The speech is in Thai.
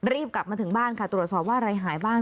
รีบกลับมาถึงบ้านค่ะตรวจสอบว่าอะไรหายบ้าง